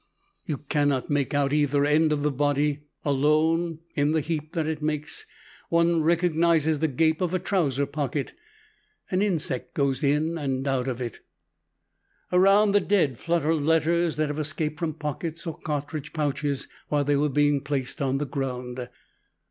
You cannot make out either end of the body; alone, in the heap that it makes, one recognizes the gape of a trouser pocket. An insect goes in and out of it. Around the dead flutter letters that have escaped from pockets or cartridge pouches while they were being placed on the ground.